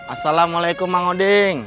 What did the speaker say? assalamualaikum mang odeng